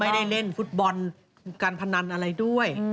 เล่นฟุตบอลการพนันอะไรด้วย